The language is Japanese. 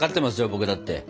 僕だって。